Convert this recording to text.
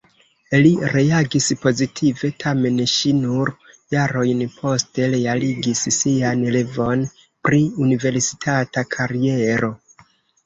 Li reagis pozitive, tamen ŝi nur jarojn poste realigis sian revon pri universitata kariero.